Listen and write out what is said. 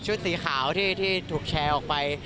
สีขาวที่ถูกแชร์ออกไป